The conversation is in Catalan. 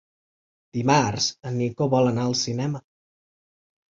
Dimarts en Nico vol anar al cinema.